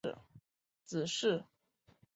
傕之子式。